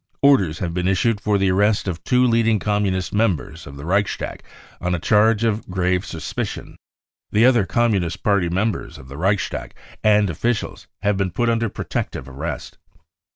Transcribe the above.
Orders have beerf issued for the arrest of two leading Communist members of the Reichstag on * a charge of grave suspicion. The other Communist Party members of the Reichstag and officials have been put under protective arrest.